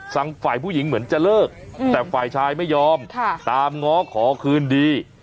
ฝ่ายผู้หญิงเหมือนจะเลิกแต่ฝ่ายชายไม่ยอมตามง้อขอคืนดี